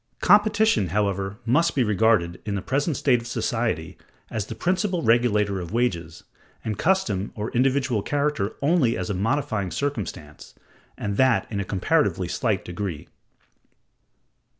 Competition, however, must be regarded, in the present state of society, as the principal regulator of wages, and custom or individual character only as a modifying circumstance, and that in a comparatively slight degree.